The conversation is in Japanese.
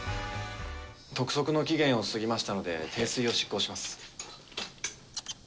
督促の期限を過ぎましたので、停水を執行します。